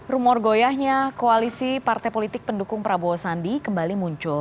rumor goyahnya koalisi partai politik pendukung prabowo sandi kembali muncul